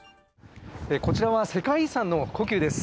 こちらは世界遺産の故宮です。